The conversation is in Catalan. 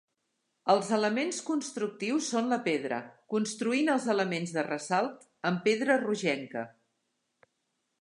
Els elements constructius són la pedra, construint els elements de ressalt amb pedra rogenca.